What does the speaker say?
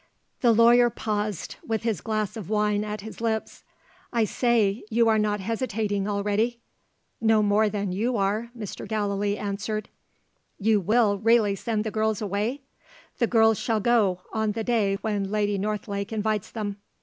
The lawyer paused, with his glass of wine at his lips. "I say! You're not hesitating already?" "No more than you are," Mr. Gallilee answered. "You will really send the girls away?" "The girls shall go, on the day when Lady Northlake invites them."